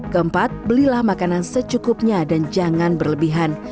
keempat belilah makanan secukupnya dan jangan berlebihan